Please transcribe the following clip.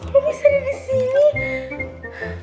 kok bisa di disini